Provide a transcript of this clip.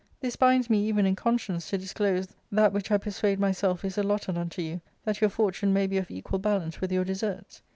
This binds me even in conscience to disclose that which I persuade my self is allotted unto you, that your fortune may be of equal balance with your deserts."